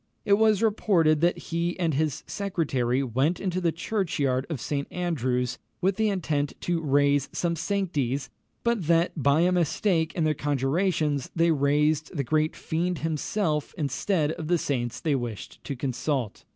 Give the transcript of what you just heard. It was reported that he and his secretary went into the churchyard of St. Andrew's with the intent to raise "some sanctes;" but that, by a mistake in their conjurations, they raised the great fiend himself instead of the saints they wished to consult.